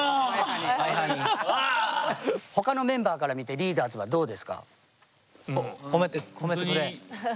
他のメンバーから見てリーダーズはどうですか？